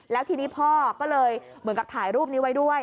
แล้วทีนี้พ่อก็เลยเหมือนกับถ่ายรูปนี้ไว้ด้วย